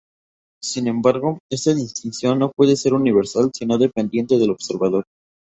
Sin embargo, esta distinción no puede ser universal sino dependiente del observador.